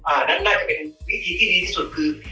อันนั้นน่าจะเป็นวิธีที่ดีที่สุดคือ